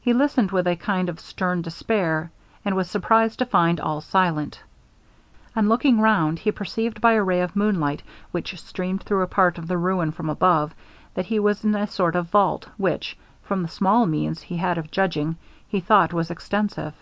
He listened with a kind of stern despair, and was surprised to find all silent. On looking round, he perceived by a ray of moonlight, which streamed through a part of the ruin from above, that he was in a sort of vault, which, from the small means he had of judging, he thought was extensive.